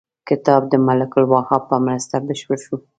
کتاب د ملک الوهاب په مرسته بشپړ شو.